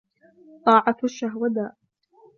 طَاعَةُ الشَّهْوَةِ دَاءٌ